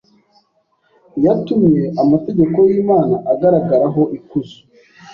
yatumye amategeko y’Imana agaragaraho ikuzo.